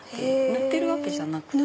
塗ってるわけじゃなくて。